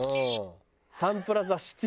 サンプラザシティ。